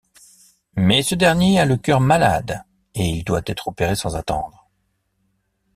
Mais ce dernier a le cœur malade et il doit être opéré sans attendre.